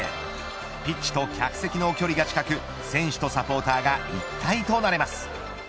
ピッチと客席の距離が近く選手とサポーターが一体となれます。